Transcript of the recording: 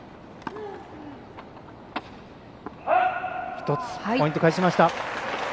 １つポイント返しました。